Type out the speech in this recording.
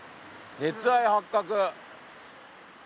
熱愛発覚！